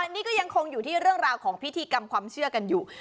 นี่ก็ยังคงอยู่ที่เรื่องราวของพิธีกรรมความเชื่อกันอยู่